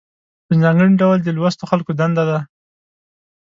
په ځانګړي ډول د لوستو خلکو دنده ده.